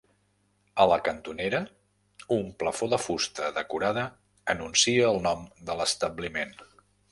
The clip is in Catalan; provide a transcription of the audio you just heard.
A la cantonera un plafó de fusta decorada anuncia el nom de l'establiment.